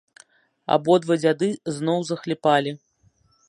Абодва дзяды зноў захліпалі.